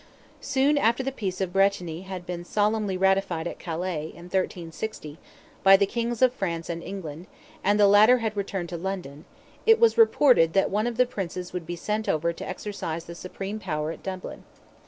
Soon after the peace of Bretigni had been solemnly ratified at Calais, in 1360, by the Kings of France and England, and the latter had returned to London, it was reported that one of the Princes would be sent over to exercise the supreme power at Dublin.